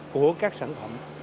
của các sản phẩm